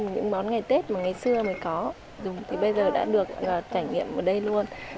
những món ngày tết mà ngày xưa mới có dùng thì bây giờ đã được trải nghiệm ở đây luôn